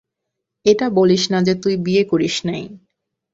এটা বলিস না যে তুই বিয়ে করিস নাই।